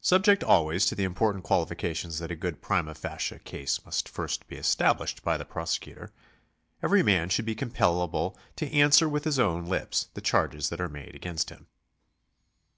Subject always to the important qualification that a good prima facie case must first be established by the prosecutor, every man should be compellable to answer with his own lips the charges that are made against him.